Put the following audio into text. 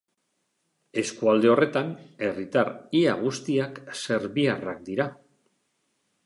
Eskualde horretan, herritar ia guztiak serbiarrak dira.